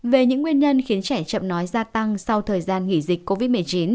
về những nguyên nhân khiến trẻ chậm nói gia tăng sau thời gian nghỉ dịch covid một mươi chín